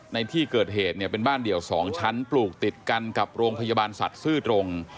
ในที่เกิดเหตุเนี่ยเป็นบ้านเดี่ยว๒ชั้นปลูกติดกันกับโรงพยาบาลสัตว์ซื่อตรง